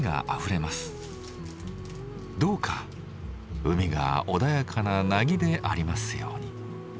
どうか海が穏やかな凪でありますように。